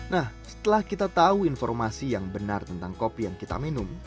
nah setelah kita tahu informasi yang benar tentang kopi yang kita minum